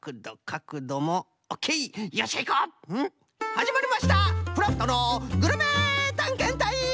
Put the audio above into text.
はじまりました「クラフトのグルメたんけんたい！」。